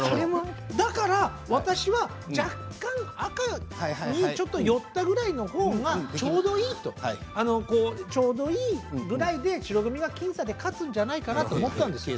だから私は若干紅にちょっと寄ったぐらいのほうがちょうどいいぐらいで白組が僅差で勝つんじゃないかなと思ったんですよ。